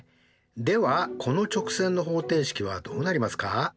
ではこの直線の方程式はどうなりますか？